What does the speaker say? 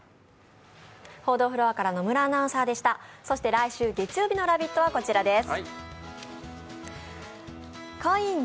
来週月曜日の「ラヴィット！」はこちらです。